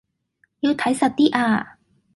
要睇實啲呀